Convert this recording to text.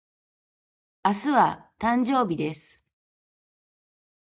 明日は、誕生日です。